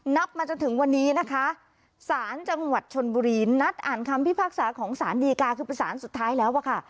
นับมาจนถึงวันนี้นะคะศาลจังหวัดชนบุรีนัดอ่านคำพิพากษาของสารดีกาคือประสานสุดท้ายแล้วอะค่ะ